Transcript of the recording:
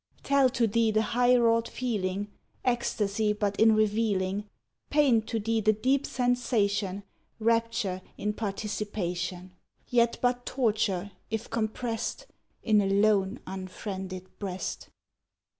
Tell to thee the high wrought feeling, Ecstasy but in revealing; Paint to thee the deep sensation, Rapture in participation; Yet but torture, if comprest In a lone, unfriended breast.